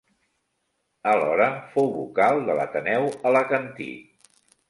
Alhora, fou vocal de l'Ateneu Alacantí.